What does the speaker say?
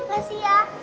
nek kasih ya